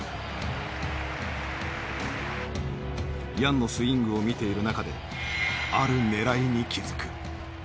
ヤンのスイングを見ている中である狙いに気付く。